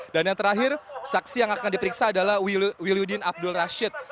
dan yang terakhir saksi yang akan diperiksa adalah wiliudin abdul rashid